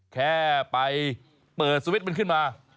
แค่ไปเปิดสวิตช์มันขึ้นมา